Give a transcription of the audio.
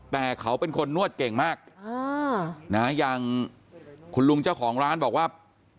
แต่เขาเป็นคนนวดเก่งมากอย่างคุณลุงเจ้าของร้านบอกว่า